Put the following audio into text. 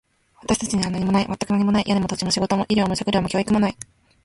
私たちには何もない。全く何もない。屋根も、土地も、仕事も、医療も、食料も、教育もない。